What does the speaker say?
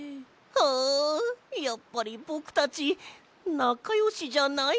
あやっぱりぼくたちなかよしじゃないんじゃない？